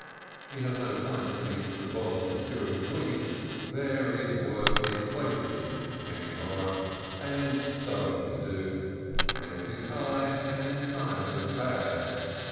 She has no time for these frivolities during the week, there is work in plenty, no evil eye ! and sewing to do ; rent is high, and times are bad.